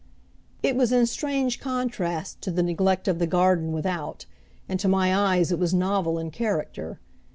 It was in strange contrast to the neglect of the garden without; and to my eyes it was novel in character.